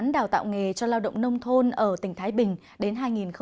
đào tạo nghề cho lao động nông thôn ở tỉnh thái bình đến hai nghìn hai mươi